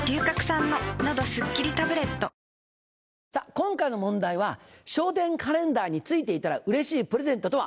今回の問題は「笑点カレンダーに付いていたらうれしいプレゼント」とは？